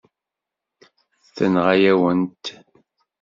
Tenɣa-yawen-t.